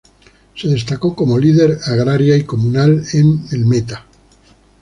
Se destacó como líder agraria y comunal en el Meta.